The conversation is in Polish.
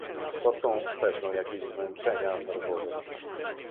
"To są pewno jakieś zmęczenia nerwowe."